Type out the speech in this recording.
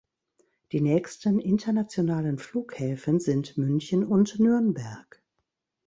Die nächsten internationalen Flughäfen sind München und Nürnberg.